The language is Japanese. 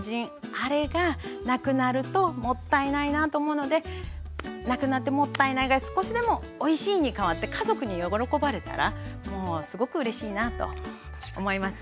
あれがなくなるともったいないなと思うのでなくなってもったいないが少しでもおいしいに変わって家族に喜ばれたらもうすごくうれしいなと思いますね。